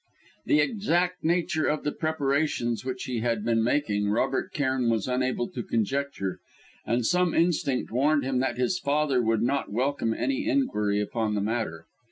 The exact nature of the preparations which he had been making, Robert Cairn was unable to conjecture; and some instinct warned him that his father would not welcome any inquiry upon the matter.